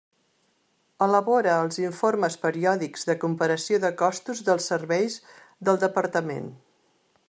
Elabora els informes periòdics de comparació de costos dels serveis del Departament.